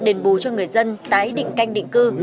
đền bù cho người dân tái định canh định cư